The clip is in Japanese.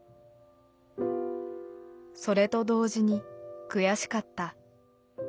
「それと同時に悔しかった。